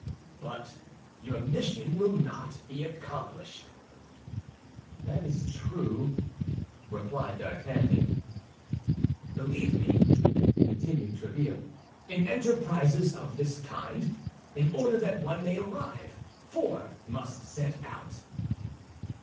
"But your mission will not be accomplished." "That is true," replied D'Artagnan. "Believe me," continued Tréville, "in enterprises of this kind, in order that one may arrive, four must set out."